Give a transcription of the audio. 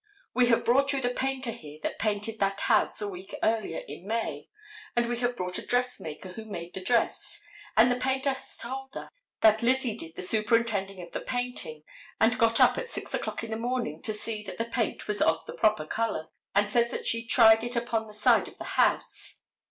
We have brought you the painter here that painted that house a week earlier in May, and we have brought a dressmaker who made the dress, and the painter has told us that Lizzie did the superintending of the painting, and got up at 6 o'clock in the morning to see that the paint was of the proper color, and says that she tried it upon the side of the house.